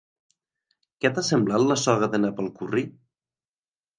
Què t'ha semblat la soga de nap al curri?